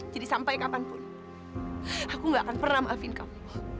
jadi sampai kapanpun aku gak akan pernah maafin kamu